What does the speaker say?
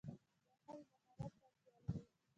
• بښل مهارت ته اړتیا لري.